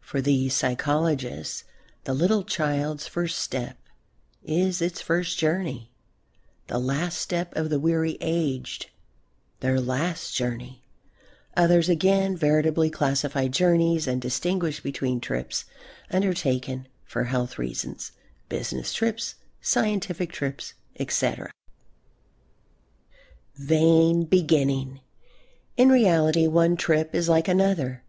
For these psychologists the little child's first step is its first journey, the last step of the weary aged their last journey. Others again veritably classify journeys and distinguish between trips undertaken for health reasons, business trips, scientific trips, etc. Vain beginning! In reality one trip is like another.